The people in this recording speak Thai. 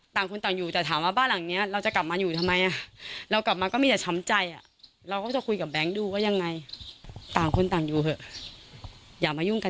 ต่างคุณต่างอยู่